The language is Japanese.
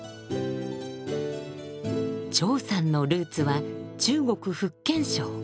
張さんのルーツは中国・福建省。